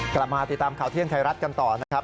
กลับมาติดตามข่าวเที่ยงไทยรัฐกันต่อนะครับ